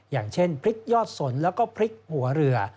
อย่างเช่นพริกยอดสนแล้วก็พริกหัวเรือ